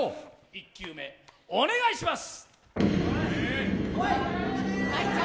１球目、お願いします！